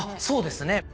そうですね。